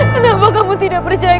kenapa kamu tidak percaya